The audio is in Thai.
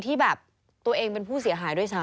ที่แบบตัวเองเป็นผู้เสียหายด้วยซ้ำ